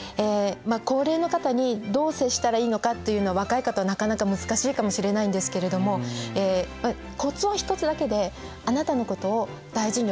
高齢の方にどう接したらいいのかというのは若い方はなかなか難しいかもしれないんですけれどもコツは１つだけで高齢者を介護する方法の一つがユマニチュード。